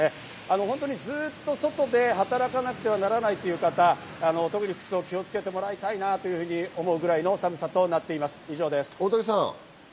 本当にずっと外で働かなくてはならないという方、特に服装に気をつけてもらいたいなと思うぐらいの寒さとなっています、以上です。